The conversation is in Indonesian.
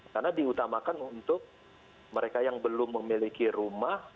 karena diutamakan untuk mereka yang belum memiliki rumah